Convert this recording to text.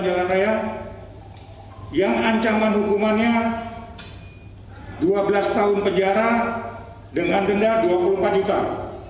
jody juga dikirimkan ke polres jokowi untuk menjalani penyidikan